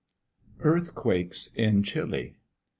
EARTHQUAKES IN CHILE.